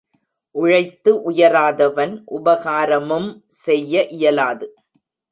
உழைத்து உயராதவன் உபகாரமும் செய்ய இயலாது.